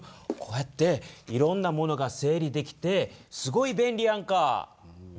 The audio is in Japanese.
こうやっていろんなものが整理できてすごい便利やんか。